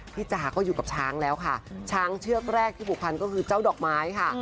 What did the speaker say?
จ๋าก็อยู่กับช้างแล้วค่ะช้างเชือกแรกที่ผูกพันก็คือเจ้าดอกไม้ค่ะ